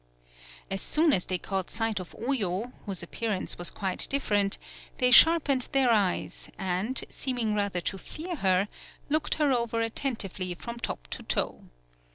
As soon as they caught sight of Oyo, whose appearance was quite different, they sharpened their eyes, and, seeming rather to fear her, looked her over attentively from top to 98 THE BILL COLLECTING toe.